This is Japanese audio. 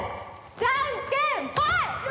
じゃんけんぽい！